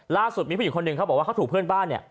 ล่าสุดมีผู้หญิงคนหนึ่งเขาบอกว่าเขาถูกเพื่อนบ้านเนี่ย